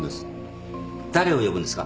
誰を呼ぶんですか？